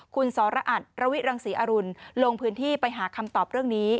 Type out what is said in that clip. คุณสรอัตระวิรังศรีอรุณลงพื้นที่ไปหาคำตอบเรื่องนี้